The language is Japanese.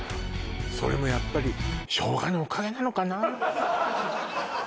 それもやっぱり生姜のおかげなのかな？